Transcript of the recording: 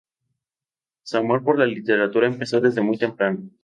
Su amor por la literatura empezó desde muy temprano.